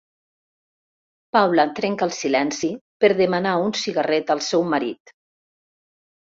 Paula trenca el silenci per demanar un cigarret al seu marit.